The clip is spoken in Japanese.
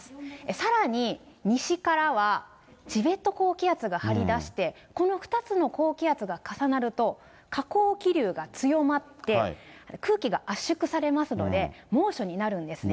さらに、西からはチベット高気圧が張り出して、この２つの高気圧が重なると、下降気流が強まって、空気が圧縮されますので、猛暑になるんですね。